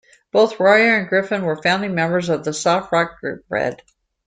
Both Royer and Griffin were founding members of the soft-rock group Bread.